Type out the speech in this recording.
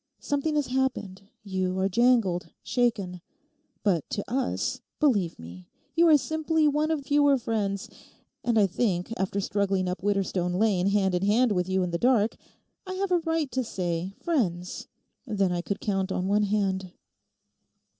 Something has happened; you are jangled, shaken. But to us, believe me, you are simply one of fewer friends—and I think, after struggling up Widderstone Lane hand in hand with you in the dark, I have a right to say "friends"—than I could count on one hand.